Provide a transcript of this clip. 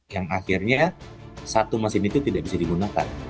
yang akhirnya satu mesin itu tidak bisa digunakan